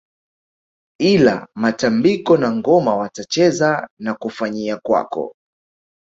Ila matambiko na ngoma watacheza na kufanyia kwako